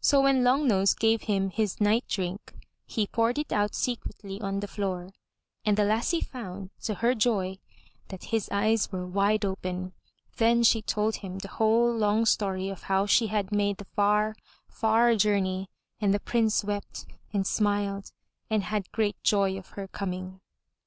So, when Long nose gave him his night drink, he poured it out secretly on the floor, and the lassie found, to her joy that his eyes were wide open. Then she told him the whole long story of how she had made the far, far journey and the Prince wept and smiled and had great joy of her coming.